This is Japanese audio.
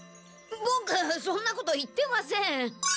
ボクそんなこと言ってません！